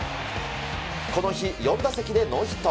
この日、４打席でノーヒット。